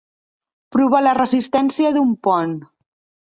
Provar la resistència d'un pont.